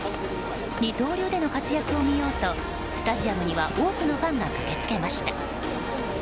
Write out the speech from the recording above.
二刀流での活躍を見ようとスタジアムには多くのファンが駆けつけました。